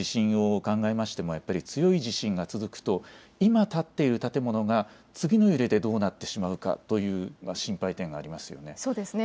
過去の地震を考えましても、やっぱり強い地震が続くと、いま建っている建物が次の揺れでどうなってしまうかという心配点がありまそうですね。